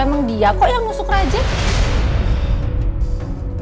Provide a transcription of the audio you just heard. emang dia kok yang musuh kerajaan